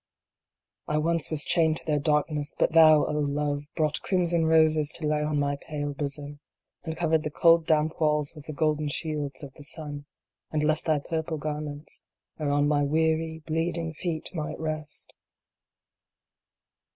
I once was chained to their darkness, but thou, O Love, brought crimson roses to lay on my pale bosom, and covered the cold damp walls with the golden shields of the sun, and left thy purple garments whereon my weary bleeding feet might rest.